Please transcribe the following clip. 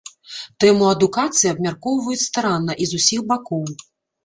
Тэму адукацыі абмяркоўваюць старанна і з усіх бакоў.